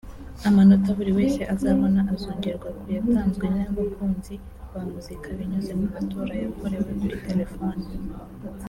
Amanota buri wese azabona azongerwa ku yatanzwe n’abakunzi ba muzika binyuze mu matora yakorewe kuri telefone